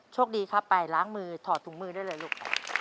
โชคดีครับไปล้างมือถอดถุงมือได้เลยลูก